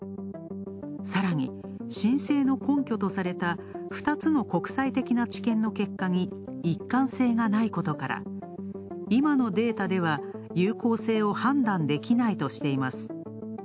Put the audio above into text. さらに、申請の根拠とされた２つの国際的なデータに治験の結果に一貫性がないことから、今のデータでは有効性を判断できないとしています。